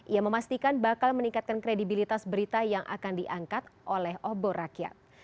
ia memastikan bakal meningkatkan kredibilitas berita yang akan diangkat oleh obor rakyat